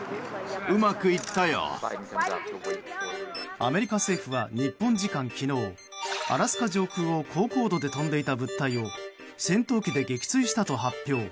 アメリカ政府は日本時間昨日アラスカ上空を高高度で飛んでいた物体を戦闘機で撃墜したと発表。